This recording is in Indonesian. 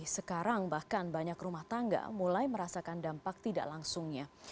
sekarang bahkan banyak rumah tangga mulai merasakan dampak tidak langsungnya